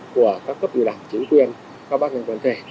của các cấp người đảng chính quyền các bác ngành quan kể